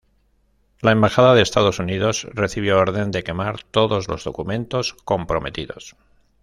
La embajada de Estados Unidos recibió orden de quemar todos los documentos comprometidos.